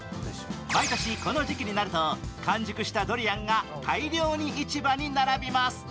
毎年この時期になると完熟したドリアンが大量に市場に並びます。